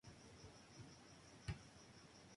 Ella pasa la información a la Isla Tracy.